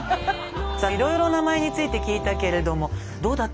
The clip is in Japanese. さあいろいろ名前について聞いたけれどもどうだった？